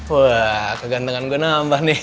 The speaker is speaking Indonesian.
wah kegantengan gue nambah nih